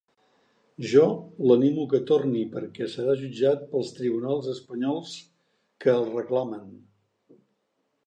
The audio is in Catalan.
Jo l’animo que torni perquè serà jutjat pels tribunals espanyols que el reclamen.